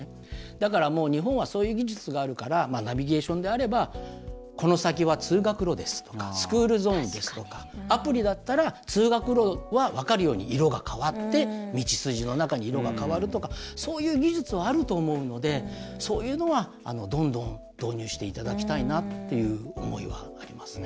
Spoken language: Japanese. だからもう日本はそういう技術があるからナビゲーションであればこの先は通学路ですとかスクールゾーンですとかアプリだったら通学路は分かるように色が変わって道筋の中に色が変わるとかそういう技術はあると思うのでそういうのは、どんどん導入していただきたいなという思いはありますね。